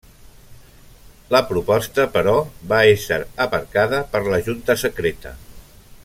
La proposta, però, va ésser aparcada per la Junta Secreta.